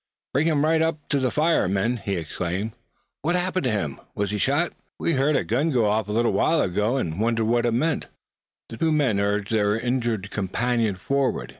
"Bring him right up to the fire, men!" he exclaimed. "What happened to him? Was he shot? We heard a gun go off a little while ago, and wondered what it meant." The two men urged their injured companion forward.